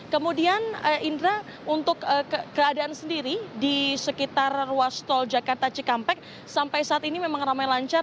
kemudian indra untuk keadaan sendiri di sekitar ruas tol jakarta cikampek sampai saat ini memang ramai lancar